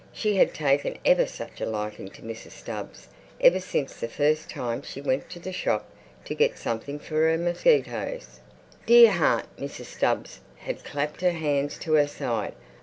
She had taken ever such a liking to Mrs. Stubbs ever since the first time she went to the shop to get something for her mosquitoes. "Dear heart!" Mrs. Stubbs had clapped her hand to her side.